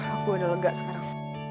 aku udah lega sekarang